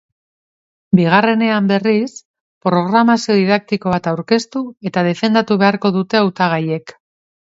Bigarrenean, berriz, programazio didaktiko bat aurkeztu eta defendatu beharko dute hautagaiek.